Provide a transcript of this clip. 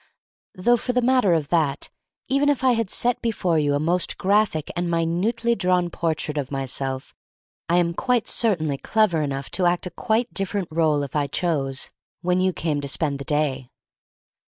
Though for the matter of that, even if I had set before you a most graphic and minutely drawn portrait of myself, I am certainly clever enough to act a quite different role if I chose — when you came to spend the day.